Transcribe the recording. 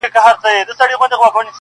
چي د ښار خلک به ستړي په دعا کړم.!